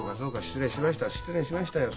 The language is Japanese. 失礼しましたよ